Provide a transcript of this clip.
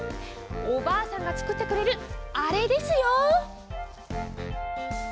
おばあさんがつくってくれるあれですよ。